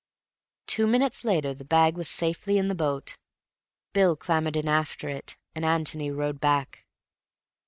Two minutes later the bag was safely in the boat. Bill clambered in after it, and Antony rowed back.